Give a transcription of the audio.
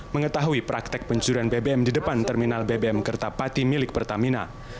mengetahui praktek pencurian bbm di depan terminal bbm kertapati milik pertamina